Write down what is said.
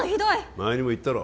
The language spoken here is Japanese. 前にも言ったろ